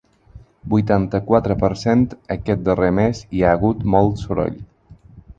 Vuitanta-quatre per cent Aquest darrer mes hi ha hagut molt soroll.